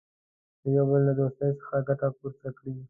د یوه بل له دوستۍ څخه ګټه پورته کړي.